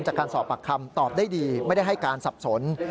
จากการสอบปากคำตอบได้ดีไม่ได้ให้การสับสน